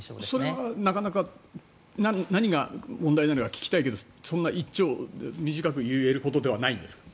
それはなかなか何が問題なのか聞きたいけどそんなに短く言えることではないんですか？